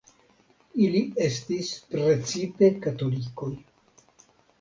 Ili estis precipe katolikoj.